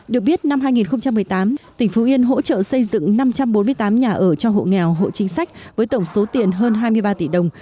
được biết năm hai nghìn một mươi tám tỉnh phú yên hỗ trợ xây dựng năm trăm bốn mươi tám nhà ở cho hộ nghèo hộ chính sách với tổng số tiền hơn hai mươi ba tỷ đồng